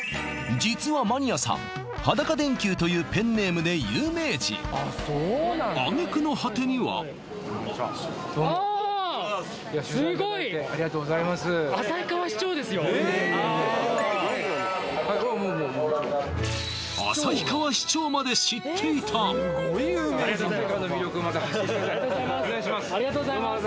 実はマニアさん「裸電球」というペンネームで有名人揚げ句の果てにはこんにちはありがとうございますお願いします